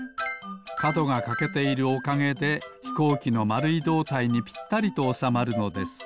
かどがかけているおかげでひこうきのまるいどうたいにぴったりとおさまるのです。